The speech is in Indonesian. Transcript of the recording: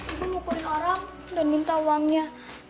ibu ngukurin orang dan minta uangnya